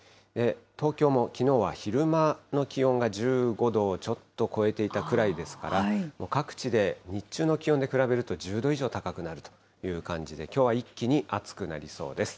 東京も、きのうは昼間の気温が１５度をちょっと超えていたくらいですから、各地で、日中の気温で比べると１０度以上高くなるという感じで、きょうは一気に暑くなりそうです。